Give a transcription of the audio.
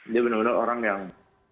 dia benar benar orang yang